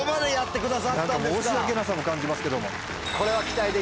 何か申し訳なさも感じますけども。